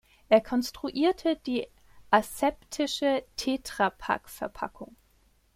Er konstruierte die aseptische Tetra-Pak-Verpackung.